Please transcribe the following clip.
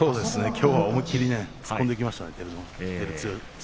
きょうは照強思いっきり突っ込んでいきましたね。